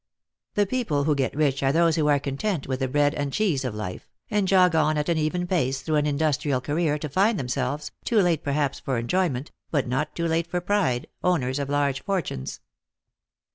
The people who get rich are those who are content with the bread and cheese of life, and jog on at an even pace through an industrial career, to find themselves, too late perhaps for enjoyment, but not too late for pride, owners of large fortunes.